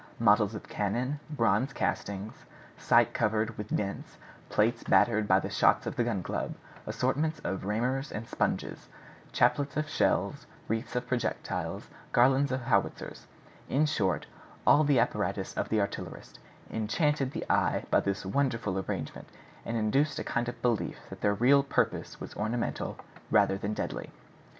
Models of cannon, bronze castings, sights covered with dents, plates battered by the shots of the Gun Club, assortments of rammers and sponges, chaplets of shells, wreaths of projectiles, garlands of howitzers—in short, all the apparatus of the artillerist, enchanted the eye by this wonderful arrangement and induced a kind of belief that their real purpose was ornamental rather than deadly.